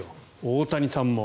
大谷さんも。